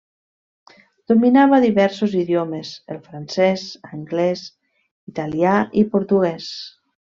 Dominava diversos idiomes, el francés, anglés, italià i portugués.